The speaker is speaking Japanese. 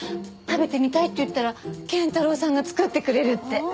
食べてみたいって言ったら謙太郎さんが作ってくれるって。